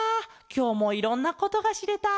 きょうもいろんなことがしれた。